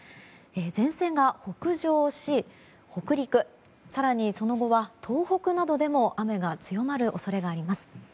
前線が北上し北陸、更にその後は東北などでも雨が強まる恐れがあります。